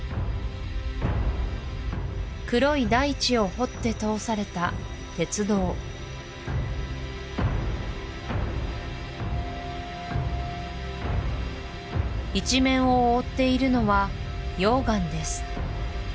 黒い大地を掘って通された鉄道一面を覆っているのは溶岩です